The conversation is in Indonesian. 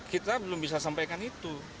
kita belum bisa sampaikan itu